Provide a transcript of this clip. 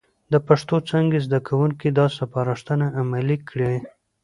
د پښتو څانګې زده کوونکي دا سپارښتنه عملي کړي،